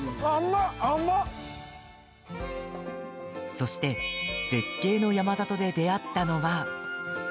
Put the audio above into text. そして、絶景の山里で出会ったのは。